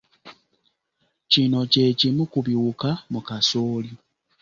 Kino kye kimu ku biwuka mu kasooli.